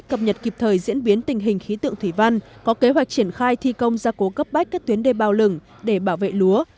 cập nhật kịp thời diễn biến tình hình khí tượng thủy văn có kế hoạch triển khai thi công gia cố cấp bách các tuyến đê bao lửng để bảo vệ lúa